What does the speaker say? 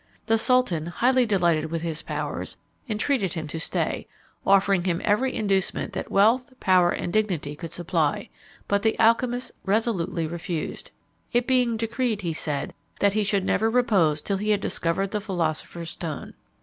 The sultan, highly delighted with his powers, entreated him to stay, offering him every inducement that wealth, power, and dignity could supply; but the alchymist resolutely refused, it being decreed, he said, that he should never repose till he had discovered the philosopher's stone.